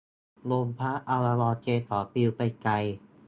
ลมพัดเอาละอองเกสรปลิวไปไกล